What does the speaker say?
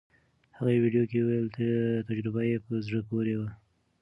هغې ویډیو کې وویل تجربه یې په زړه پورې وه.